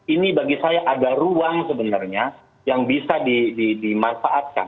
ini bagi saya ada ruang sebenarnya yang bisa dimanfaatkan